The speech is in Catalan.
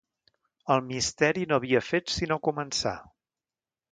El misteri no havia fet sinó començar.